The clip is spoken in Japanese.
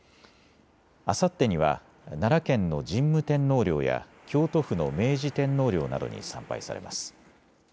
あさってには奈良県の神武天皇陵や京都府の明治天皇陵などに参拝されます。